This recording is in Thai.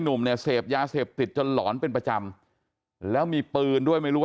หนุ่มเนี่ยเสพยาเสพติดจนหลอนเป็นประจำแล้วมีปืนด้วยไม่รู้ว่า